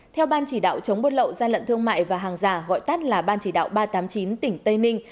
theo ban chỉ đạo chống buôn lậu gian lận thương mại và hàng giả gọi tắt là ban chỉ đạo ba trăm tám mươi chín tỉnh tây ninh